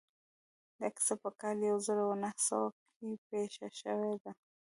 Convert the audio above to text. دا کيسه په کال يو زر و نهه سوه کې پېښه شوې ده.